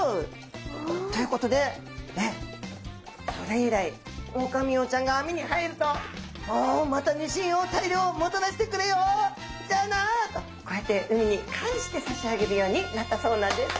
ということでそれ以来オオカミウオちゃんが網に入ると「おおまたニシンを大漁もたらしてくれよじゃあな」とこうやって海に返してさしあげるようになったそうなんです。